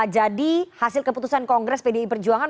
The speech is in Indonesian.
jadi hasil keputusan kongres pde perjuangan